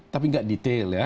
tapi nggak detail ya